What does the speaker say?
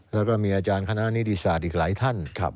แล้วก็มีอาจารย์คณะนิติศาสตร์อีกหลายท่าน